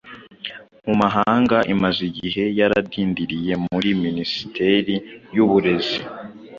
mu mahanga imaze igihe yaradindiriye muri minisiteri y'uburezi.